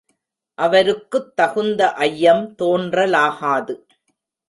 அவருக்குத் தகுந்த ஐயம் தோன்றலாகாது.